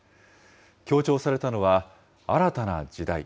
強調されたのは、新たな時代。